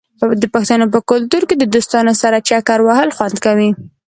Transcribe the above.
د پښتنو په کلتور کې د دوستانو سره چکر وهل خوند کوي.